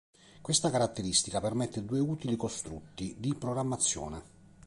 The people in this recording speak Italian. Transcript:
Questa caratteristica permette due utili costrutti di programmazione.